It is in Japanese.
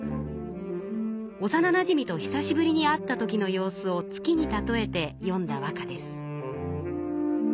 おさななじみと久しぶりに会ったときの様子を月に例えてよんだ和歌です。